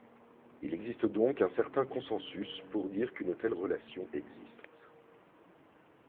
Il existe donc un certain consensus pour dire qu'une telle relation existe.